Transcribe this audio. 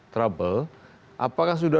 trouble apakah sudah